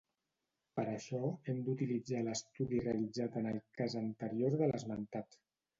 Per a això hem d'utilitzar l'estudi realitzat en el cas anterior de l'esmentat.